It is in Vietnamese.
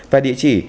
và địa chỉ